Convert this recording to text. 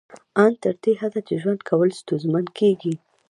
ان تر دې حده چې ژوند کول ستونزمن کیږي